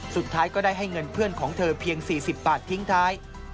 สุดท้ายก็ได้ให้เงินเพื่อนของเธอเพียง๔๐บาททิ้งท้าย